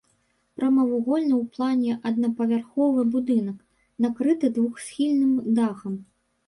Прамавугольны ў плане аднапавярховы будынак, накрыты двухсхільным дахам.